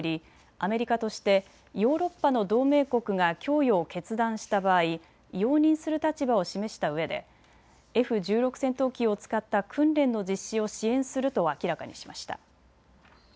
アメリカとしてヨーロッパの同盟国が供与を決断した場合、容認する立場を示したうえでＦ１６戦闘機を使った訓練の実施を支援すると明らかにしました。